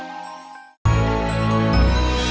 assalamualaikum warahmatullahi wabarakatuh